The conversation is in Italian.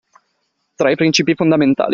Tra i principi fondamentali.